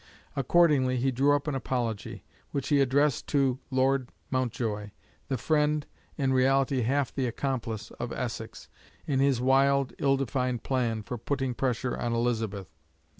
Accordingly, he drew up an apology, which he addressed to Lord Mountjoy, the friend, in reality half the accomplice, of Essex, in his wild, ill defined plan for putting pressure on Elizabeth.